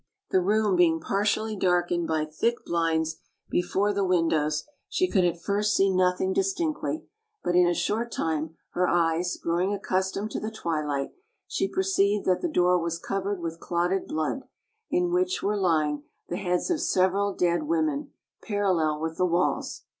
The room being partially darkened by thick blinds be fore the windows, she could at first see nothing distinctly; but in a short time, her eyes growing accustomed to the twilight, she perceived that the floor was covered with clotted blood, in which were lying the heads of several dead women, parallel with the walls.